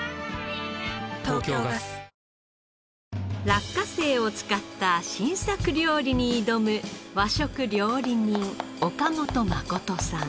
落花生を使った新作料理に挑む和食料理人岡元信さん。